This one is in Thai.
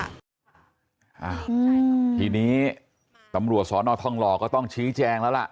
อ่าทีนี้ตำรวจสอนอทองหล่อก็ต้องชี้แจงแล้วล่ะ